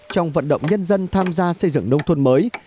trong vận động nhân dân tham gia xây dựng nông thôn mới